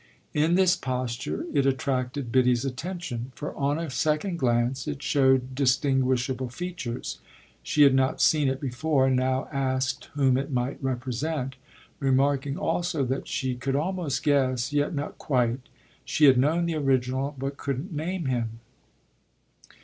In this posture it attracted Biddy's attention, for on a second glance it showed distinguishable features. She had not seen it before and now asked whom it might represent, remarking also that she could almost guess, yet not quite: she had known the original but couldn't name him.